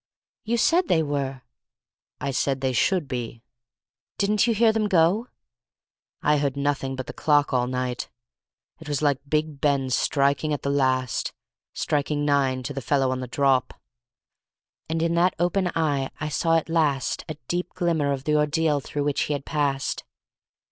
"You said they were!" "I said they should be." "Didn't you hear them go?" "I heard nothing but the clock all night. It was like Big Ben striking at the last—striking nine to the fellow on the drop." And in that open eye I saw at last a deep glimmer of the ordeal through which he had passed.